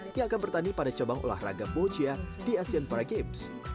yang akan bertani pada cabang olahraga bojia di asean paragames